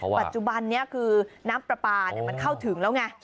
ปัจจุบันนี้คือน้ำปลาปลามันเข้าถึงแล้วไง